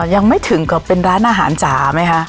ยังไม่ถึงกับเป็นร้านอาหารจ๋าไหมคะ